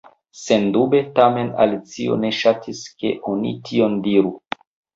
Sendube! Tamen Alicio ne ŝatis ke oni tion diru.